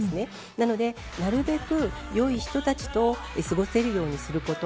なのでなるべく良い人たちと過ごせるようにすること。